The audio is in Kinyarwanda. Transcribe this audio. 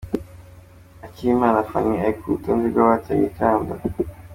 Akimana Fanny ari ku rutonde rw'abahataniye ikamba.